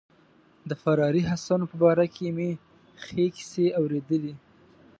د فراري حسنو په باره کې مې ښې کیسې اوریدلي.